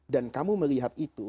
dan kamu melihat itu